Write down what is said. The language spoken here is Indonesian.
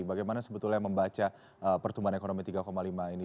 bagaimana sebetulnya membaca pertumbuhan ekonomi tiga lima ini